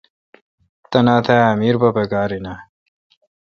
تاٹھ اؘ امیر پکار این اؘ۔